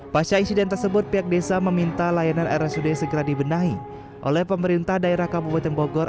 pasca insiden tersebut pihak desa meminta layanan rsud segera dibenahi oleh pemerintah daerah kabupaten bogor